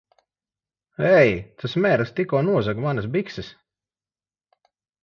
Ei! Tas mērglis tikko nozaga manas bikses!